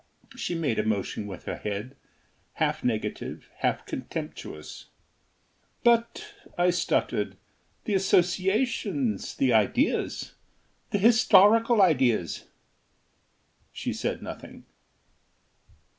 She made a motion with her head half negative, half contemptuous. "But," I stuttered, "the associations the ideas the historical ideas " She said nothing.